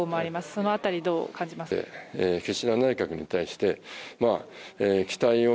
その辺り、どう感じますか。